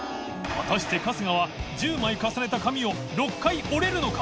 未燭靴春日は１０枚重ねた紙を恐折れるのか？